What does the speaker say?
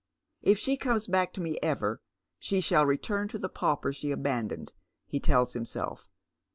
" If she comes back to me ever she shall return to the pauper she abandoned," he tells himself.